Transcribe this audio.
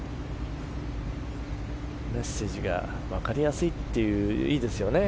メッセージが分かりやすいっていいですよね。